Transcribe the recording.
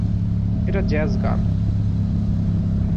এটা জ্যাজ গান!